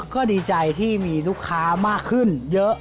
ก็ดีใจที่มีลูกค้ามากขึ้นเยอะ